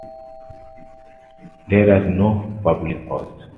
There is no public house.